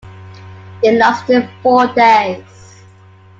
It lasted four days.